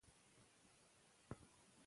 تعليم شوې نجونې د معلوماتو سم وېش ته کار کوي.